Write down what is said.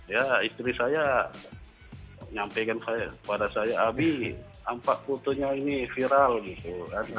ya istri saya nyampaikan pada saya abi tampak putuhnya ini viral gitu karena